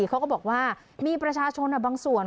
เขาก็บอกว่ามีประชาชนบางส่วน